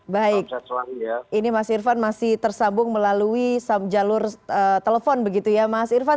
baik ini mas irvan masih tersambung melalui jalur telepon begitu ya mas irfan